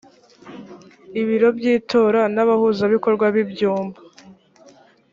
ibiro by itora n abahuzabikorwa b ibyumba